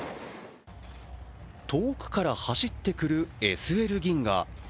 遠くから走ってくるＳＬ銀河。